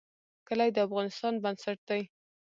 کلي د افغانستان بنسټ دی